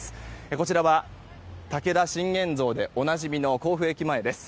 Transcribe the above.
こちらは武田信玄像でおなじみの甲府駅前です。